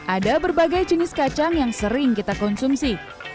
ada berbagai jenis kacang yang sering kita konsumsi